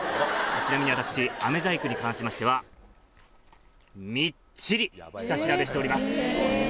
ちなみに私飴細工に関しましてはみっちり下調べしております。